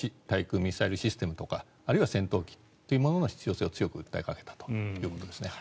対空ミサイルシステムとかあるいは戦闘機というものの必要性を強く訴えかけたということです。